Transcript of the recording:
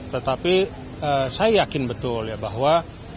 tetapi saya yakin betul ya bahwa